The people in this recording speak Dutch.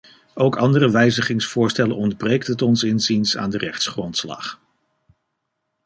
Ook andere wijzigingsvoorstellen ontbreekt het ons inziens aan de rechtsgrondslag.